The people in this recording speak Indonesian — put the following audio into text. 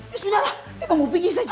ya sudah lah kita mau pergi saja